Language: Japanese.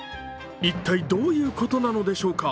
一体、どういうことなのでしょうか？